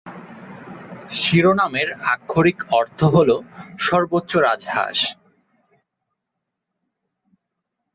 শিরোনামের আক্ষরিক অর্থ হল "সর্বোচ্চ রাজহাঁস"।